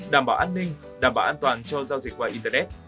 đảm bảo an ninh đảm bảo an toàn cho giao dịch qua internet